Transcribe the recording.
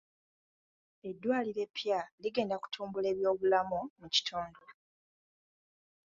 Eddwaliro eppya ligenda kutumbula ebyobulamu mu kitundu.